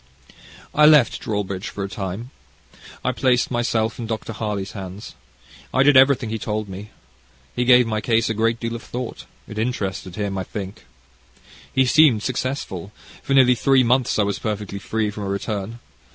"I left Dawlbridge for a time. I placed myself in Dr. Harley's hands. I did everything he told me. He gave my case a great deal of thought. It interested him, I think. He seemed successful. For nearly three months I was perfectly free from a return.